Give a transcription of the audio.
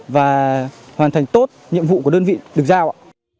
và hoàn thành tốt nhiệm vụ của đơn vị được giao